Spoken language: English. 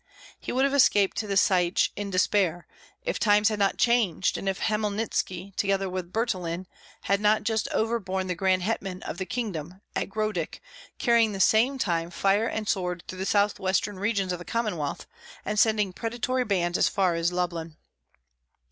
He would have escaped to the Saitch in despair, if times had not changed, and if Hmelnitski, together with Buturlin, had not just overborne the grand hetman of the kingdom, at Grodek, carrying at the same time fire and sword through the southwestern regions of the Commonwealth, and sending predatory bands as far as Lublin.